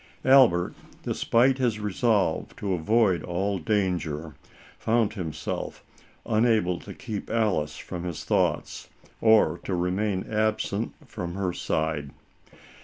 Albert, despite his resolve to avoid all danger, found himself unable to keep'' Alice from his thoughts, or to remain absent from her side.